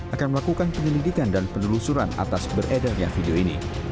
akan melakukan penyelidikan dan penelusuran atas beredarnya video ini